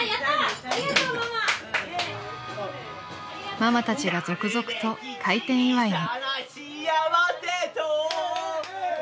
［ママたちが続々と開店祝いに］